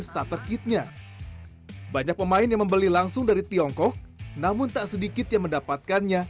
starter kitnya banyak pemain yang membeli langsung dari tiongkok namun tak sedikit yang mendapatkannya